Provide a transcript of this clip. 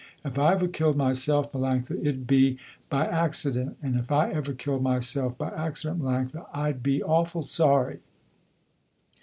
If I ever killed myself Melanctha it'd be by accident, and if I ever killed myself by accident Melanctha, I'd be awful sorry."